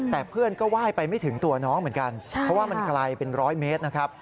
แต่เพื่อนก็ไหว้ไปไม่ถึงตัวน้องเหมือนกันเพราะว่ามันไกลเป็นร้อยเมตรนะครับ